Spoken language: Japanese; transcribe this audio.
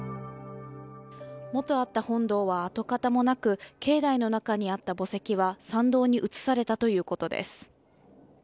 もとあった本堂は跡形もなく境内の中にあった墓石は参道に移されたということです。